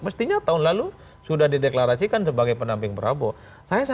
mestinya tahun lalu sudah dideklarasikan sebagai penamping prabowo